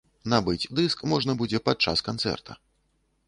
Набыць дыск можна будзе падчас канцэрта.